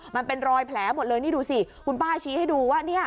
มันเป็นรอยแผลหมดเลยนี่ดูสิคุณป้าชี้ให้ดูว่าเนี่ย